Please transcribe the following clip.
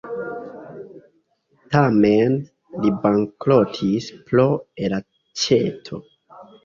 Tamen li bankrotis pro elaĉeto.